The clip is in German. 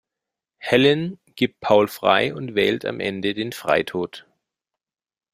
Helen gibt Paul frei und wählt am Ende den Freitod.